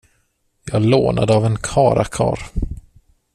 Jag lånade av en karlakarl.